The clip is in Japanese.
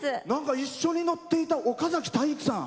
一緒にのっていた岡崎体育さん